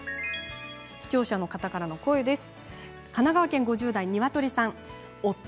視聴者の方からの声です。